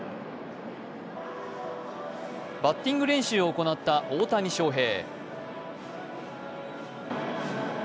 バッティング練習を行った大谷翔平。